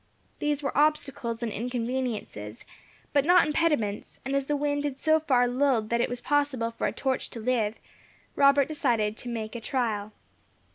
These were obstacles and inconveniences, but not impediments; and as the wind had so far lulled that it was possible for a torch to live, Robert decided to make a trial.